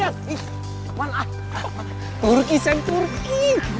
turki sam turki